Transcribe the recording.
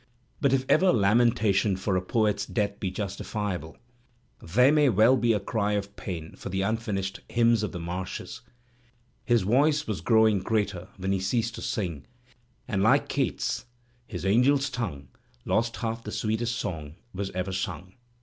But if ever lamentation for a poet's death be justifiable, there may well be a cry of pain for the unfinished "Hymns of the Marshes." His voice was growing greater when he ceased to sing, and, like Keats, his angel's tongue Lost half the sweetest song was ever simg.